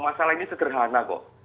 masalah ini sederhana kok